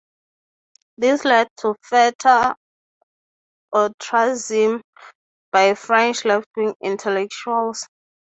This led to further ostracism by French left-wing intellectuals.